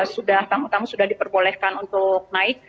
sudah tamu tamu sudah diperbolehkan untuk naik